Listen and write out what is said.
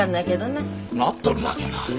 なっとるなけな。